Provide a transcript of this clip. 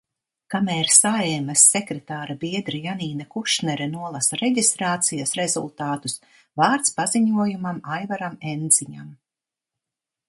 Kamēr Saeimas sekretāra biedre Janīna Kušnere nolasa reģistrācijas rezultātus, vārds paziņojumam Aivaram Endziņam.